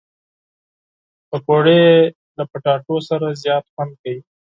پکورې له کچالو سره زیات خوند کوي